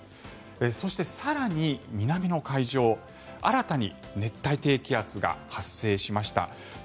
そして、更に南の海上新たに熱帯低気圧が発生しました。